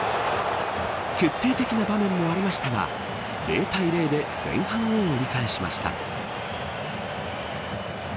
決定的な場面もありましたが０対０で前半を折り返しました。